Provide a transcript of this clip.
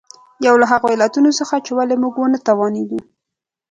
یو له هغو علتونو څخه چې ولې موږ ونه توانېدو.